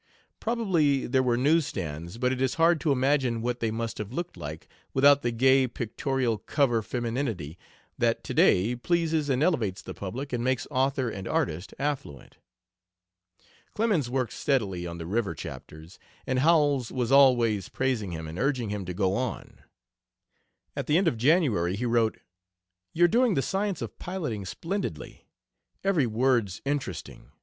Probably there were news stands, but it is hard to imagine what they must have looked like without the gay pictorial cover femininity that to day pleases and elevates the public and makes author and artist affluent. Clemens worked steadily on the river chapters, and Howells was always praising him and urging him to go on. At the end of January he wrote: "You're doing the science of piloting splendidly. Every word's interesting.